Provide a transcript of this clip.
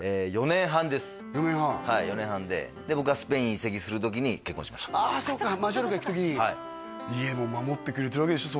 ４年半はい４年半でで僕がスペイン移籍する時に結婚しましたああそっかマジョルカ行く時にはい家も守ってくれてるわけでしょ？